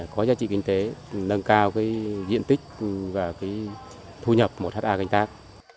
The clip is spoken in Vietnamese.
có giá trị kinh tế nâng cao cái diện tích và cái thu nhập một ha canh tác